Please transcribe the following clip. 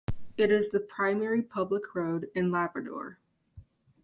It is the primary public road in Labrador.